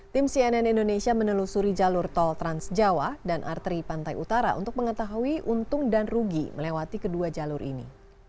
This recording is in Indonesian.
tim cnn indonesia menelusuri jalur tol transjawa dan arteri pantai utara untuk mengetahui untung dan rugi melewati kedua jalur ini